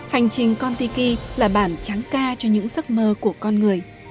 hành trình kon tiki là bản tráng ca cho những giấc mơ của con người